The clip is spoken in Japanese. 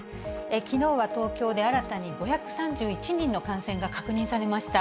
きのうは東京で新たに５３１人の感染が確認されました。